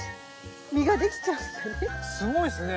すごいっすね。